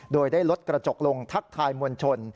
โดยได้ลดกระจกลงทักทายมวลชน